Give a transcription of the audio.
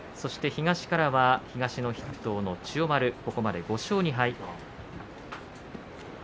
東からは東の筆頭の千代丸ここまで５勝２敗。